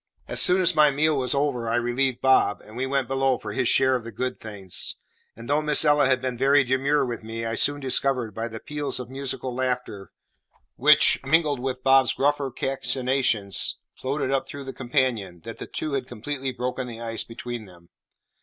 As soon as my meal was over I relieved Bob, and he went below for his share of the good things; and though Miss Ella had been very demure with me, I soon discovered, by the peals of musical laughter which, mingled with Bob's gruffer cachinnations, floated up through the companion, that the two had completely broken the ice between them.